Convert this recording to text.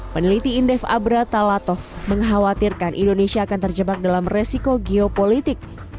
peneliti indef abra talatov mengkhawatirkan indonesia akan terjebak dalam resiko geopolitik